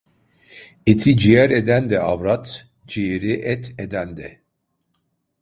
Eti ciğer eden de avrat, ciğeri et eden de.